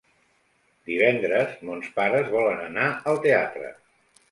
Divendres mons pares volen anar al teatre.